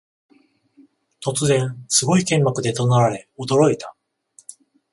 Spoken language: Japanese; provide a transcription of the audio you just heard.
突然、すごい剣幕で怒鳴られ驚いた